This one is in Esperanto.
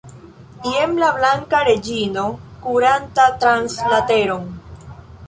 Jen la Blanka Reĝino kuranta trans la teron!